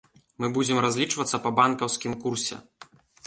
Мы будзем разлічвацца па банкаўскім курсе.